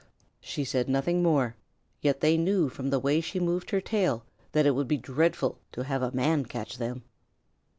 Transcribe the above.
She said nothing more, yet they knew from the way she moved her tail that it would be dreadful to have a man catch them.